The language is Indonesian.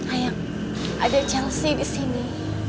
ayah ada chelsea disini